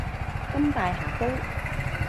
甘拜下風